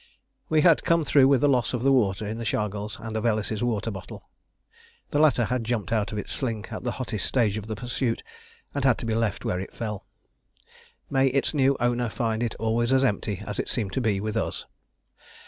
We had come through with the loss of the water in the chargals and of Ellis's water bottle. The later had jumped out of its sling at the hottest stage of the pursuit, and had to be left where it fell. May its new owner find it always as empty as it seemed to be with us!